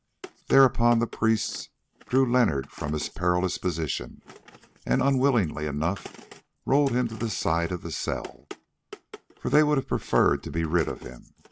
Thereupon the priests drew Leonard from his perilous position, and, unwillingly enough, rolled him to the side of the cell, for they would have preferred to be rid of him.